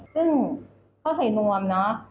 ซึ่งเขาใส่นวมนะ